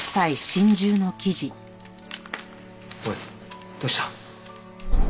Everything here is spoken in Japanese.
おいどうした？